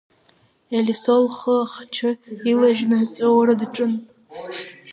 Елисо лхы ахчы илажьны аҵәуара даҿын.